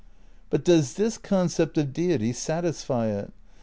But does this concept of Deity satisfy it?